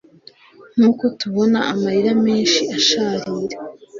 nkuko tubona amarira menshi asharira